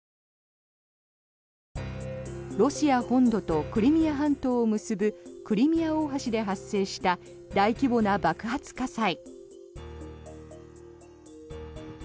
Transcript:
ロシア本土とクリミア半島を結ぶクリミア大橋で発生した大規模な爆発火災。